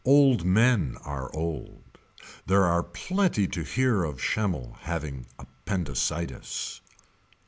Old men are old. There are plenty to hear of Schemmel having appendicitis.